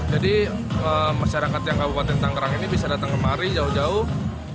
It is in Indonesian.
jadi masyarakat yang kabupaten tangerang ini bisa datang kemari jauh jauh